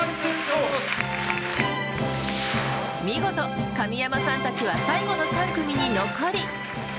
見事、神山さんたちは最後の３組に残り。